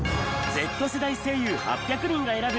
Ｚ世代声優８００人が選ぶ！